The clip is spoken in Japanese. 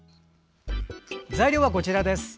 材料は、こちらです。